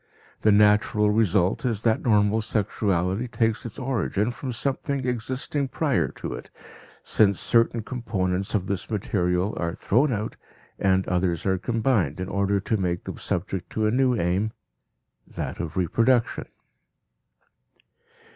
The natural result is that normal sexuality takes its origin from something existing prior to it, since certain components of this material are thrown out and others are combined in order to make them subject to a new aim that of reproduction.